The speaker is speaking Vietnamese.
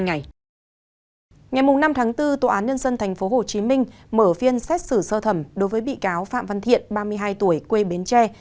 ngày năm tháng bốn tòa án nhân dân tp hcm mở phiên xét xử sơ thẩm đối với bị cáo phạm văn thiện ba mươi hai tuổi quê bến tre